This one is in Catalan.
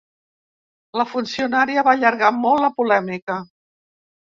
La funcionària va allargar molt la polèmica.